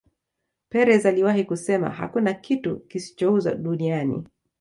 Perez aliwahi kusema hakuna kitu kisichouzwa duniani